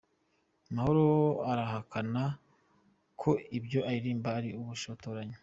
mahoro arahakana ko ibyo aririmba ari ubushotoranyi